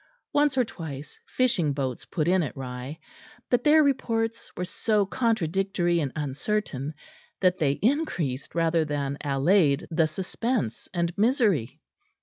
Once or twice fishing boats put in at Rye; but their reports were so contradictory and uncertain that they increased rather than allayed the suspense and misery.